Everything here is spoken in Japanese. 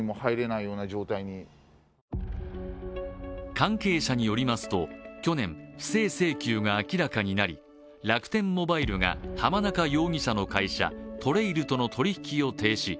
関係者によりますと去年、不正請求が明らかになり、楽天モバイルが浜中容疑者の会社ＴＲＡＩＬとの取り引きを停止。